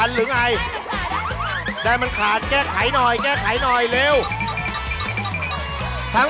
เดี๋ยวมันเวลาให้ทัน